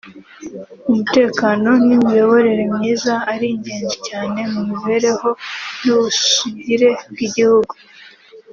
umutekano n’imiyoborere myiza ari ingenzi cyane mu mibereho n’ubusugire bw’igihugu